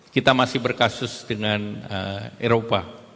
kita masih berkasus dengan eropa